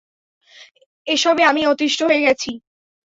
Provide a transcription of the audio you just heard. এসবে আমি অতিষ্ট হয়ে গেছি।